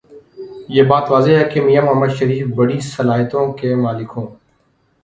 یہ بات واضح ہے کہ میاں محمد شریف بڑی صلاحیتوں کے مالک ہوں۔